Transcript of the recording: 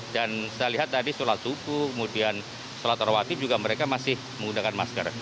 dan saya lihat tadi sholat tuku kemudian sholat arwati juga mereka masih menggunakan masker